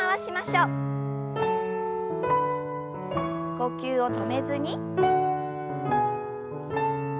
呼吸を止めずに。